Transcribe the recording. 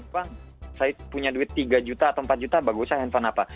bang saya punya duit tiga juta atau empat juta bagusnya handphone apa